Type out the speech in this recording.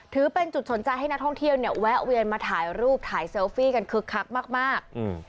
ถือเป็นจุดสนใจให้นักท่องเที่ยวเนี่ยแวะเวียนมาถ่ายรูปถ่ายเซลฟี่กันคึกคักมาก